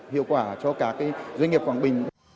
hiệu quả cho cả cái doanh nghiệp quảng bình